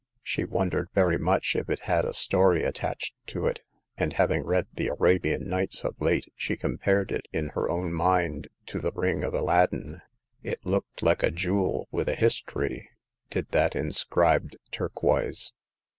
She wondered very much if it had a story attached to it ; and, having read the Arabian Nights " of late, she compared it in her own mind to the ring of Aladdin. It looked like a jewel with a history, did that inscribed turquoise.